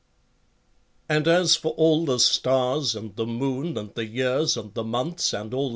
And as for all the stars and the moon and the years and the months and all.